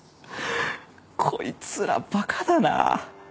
こいつら馬鹿だな。